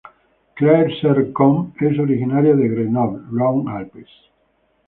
Claire Serre-Combe es originaria de Grenoble, Rhône-Alpes.